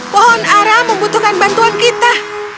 pohon ara membutuhkan bantuan kita